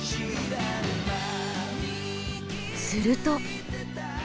すると。